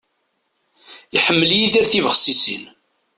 Iḥemmel Yidir tibexsisin.